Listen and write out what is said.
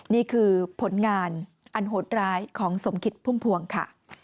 นี่คือผลงานอันโหดร้ายของสมคิดพุ่มพวงค่ะ